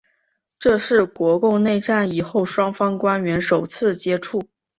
这是国共内战以后双方官员首次接触。